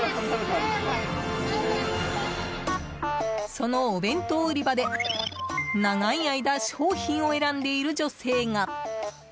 そのお弁当売り場で長い間、商品を選んでいる女性が。